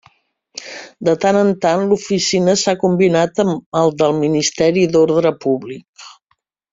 De tant en tant l'oficina s'ha combinat amb el del Ministeri d'Ordre Públic.